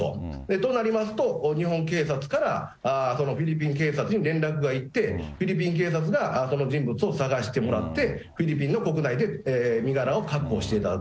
となりますと、日本警察から、そのフィリピン警察に連絡が行って、フィリピン警察がその人物を捜してもらって、フィリピンの国内で身柄を確保していただく。